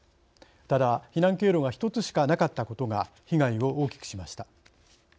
ただ避難経路が１つしかなかったことが被害を大きくしました。